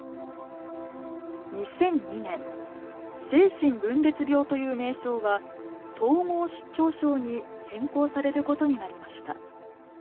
２００２年「精神分裂病」という名称は「統合失調症」に変更されることになりました。